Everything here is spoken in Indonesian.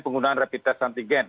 penggunaan rapid test antigen